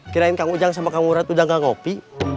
kirain kang ujang sama kang murad udah enggak ngopi